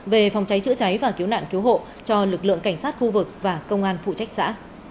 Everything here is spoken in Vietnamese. về phòng cháy chữa cháy và cứu nạn cứu hộ cho lực lượng cảnh sát khu vực và công an phụ trách xã